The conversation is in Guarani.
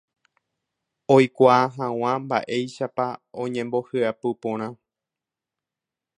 oikuaa hag̃ua mba'éichapa oñembohyapu porã.